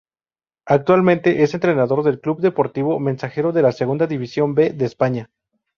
Actualmente es entrenador del Club Deportivo Mensajero de la Segunda División B de España.